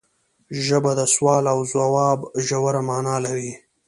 ژبه د سوال او ځواب ژوره معنی لري